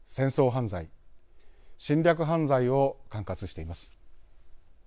犯罪侵略犯罪を管轄しています。